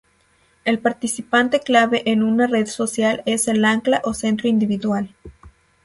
El participante clave en una red social es el ancla o centro individual.